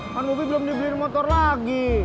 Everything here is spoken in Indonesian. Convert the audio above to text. kan bobi belum dibeliin motor lagi